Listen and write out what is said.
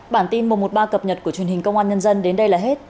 bản tin một trăm một mươi ba cập nhật của truyền hình công an nhân dân đến đây là hết